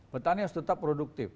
petani harus tetap produktif